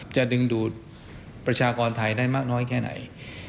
จะดึงดูดประชากรไทยได้มากน้อยแค่ไหน